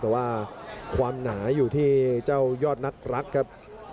แต่ว่าความหนาอยู่ที่เจ้ายอดนักรักครับ